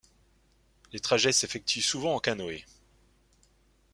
Les trajets s'effectuent souvent en canoë.